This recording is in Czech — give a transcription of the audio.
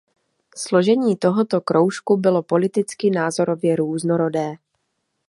Složení tohoto kroužku bylo politicky názorově různorodé.